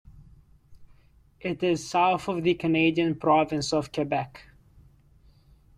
It is south of the Canadian province of Quebec.